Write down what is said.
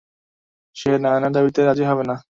সে নায়নার দাবিতে রাজি হবে না।